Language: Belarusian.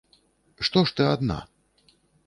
Што ж ты адна?